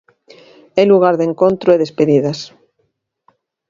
É lugar de encontro e despedidas.